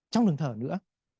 trong đường thở nữa